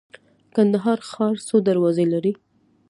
کندهار ښار څو دروازې لري؟